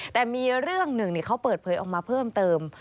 แต่มีเรื่องหนึ่งเขาเปิดเผยออกมาเพิ่มเติม